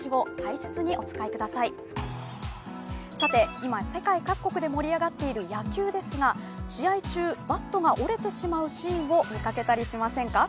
今、世界各国で盛り上がっている野球ですが、試合中、バットが折れてしまうシーンを見かけたりしませんか。